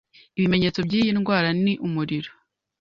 Ibimenyetso by'iyi ndwara ni umuriro,